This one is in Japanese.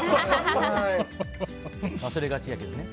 忘れがちやけどね。